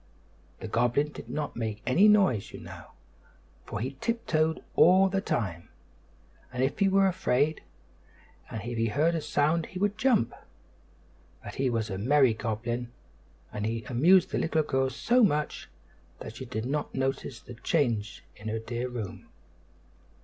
The goblin did not make any noise, you know, for he tiptoed all the time, as if he were afraid; and if he heard a sound he would jump. But he was a merry goblin, and he amused the little girl so much that she did not notice the change in her dear room.